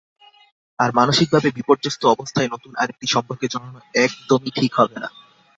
আর মানসিকভাবে বিপর্যস্ত অবস্থায় নতুন আরেকটি সম্পর্কে জড়ানো একদমই ঠিক হবে না।